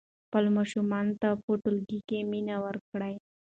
خپلو ماشومانو ته په ټولګي کې مینه ورکړئ.